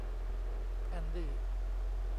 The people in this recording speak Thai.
แอนดี้